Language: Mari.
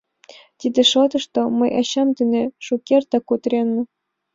— Тиде шотышто мый ачам дене шукертак кутыренна.